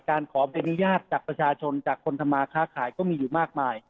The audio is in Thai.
การขอใบอนุญาตจากประชาชนจากคนทำมาค้าขายก็มีอยู่มากมาย